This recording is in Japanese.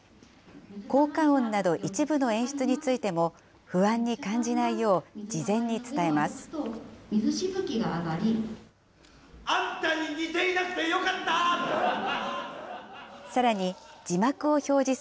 効果音など、一部の演出についても不安に感じないよう、事前に伝えます。